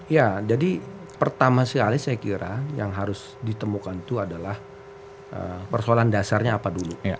ya jadi pertama sekali saya kira yang harus ditemukan itu adalah persoalan dasarnya apa dulu